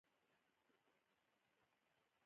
د پکیتکا ولایت زنغوزي یعنی جلغوزي لري.